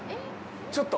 ちょっと！